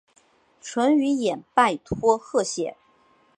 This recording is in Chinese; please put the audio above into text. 淳于衍拜托霍显。